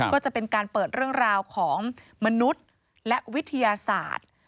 ก็จะเป็นการเปิดเรื่องราวของมนุษย์และวิทยาศาสตร์